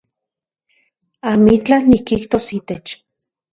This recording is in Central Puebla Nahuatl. Amitlaj nikijtos itech